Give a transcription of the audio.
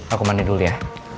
aku mandi dulu ya